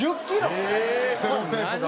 セロテープが？